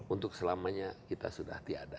untuk selamanya kita sudah tiada